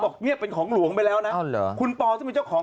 บอกเนี่ยเป็นของหลวงไปแล้วนะคุณปอซึ่งเป็นเจ้าของ